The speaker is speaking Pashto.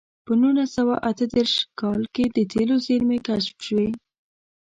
په نولس سوه اته دېرش کال کې د تېلو زېرمې کشف شوې.